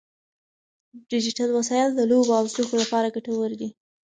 ډیجیټل وسایل د لوبو او زده کړو لپاره ګټور دي.